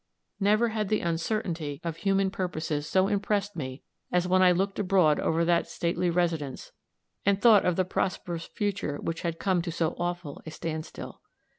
Never had the uncertainty of human purposes so impressed me as when I looked abroad over that stately residence and thought of the prosperous future which had come to so awful a standstill.